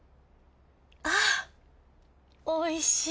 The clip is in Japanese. あおいしい。